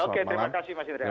oke terima kasih mas indra